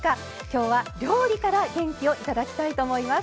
今日は料理から元気を頂きたいと思います。